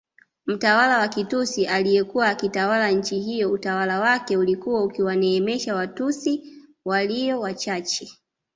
Mtawala wa Kitutsi aliyekuwa akiitawala nchi hiyo utawala wake ulikuwa ukiwaneemesha Watutsi walio wachache